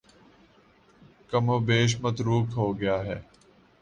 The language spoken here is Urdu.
کم و بیش متروک ہو گیا ہے